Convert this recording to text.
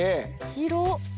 広っ！